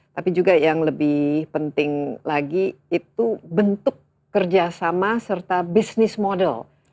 tapi juga yang lebih penting lagi itu bentuk kerjasama serta bisnis model